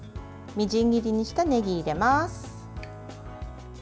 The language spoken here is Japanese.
みじん切りにしたねぎ、入れます。